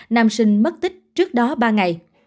nam sinh mất tích trước đó ba ngày